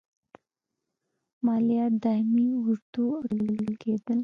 مالیات دایمي اردو او کارکوونکو ته ورکول کېدل.